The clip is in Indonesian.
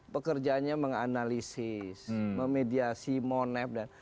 pekerjaannya menganalisis memediasi monef dan